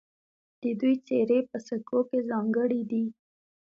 د دوی څیرې په سکو کې ځانګړې دي